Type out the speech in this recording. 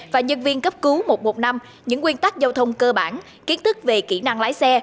và nhân viên cấp cứu một trăm một mươi năm những nguyên tắc giao thông cơ bản kiến thức về kỹ năng lái xe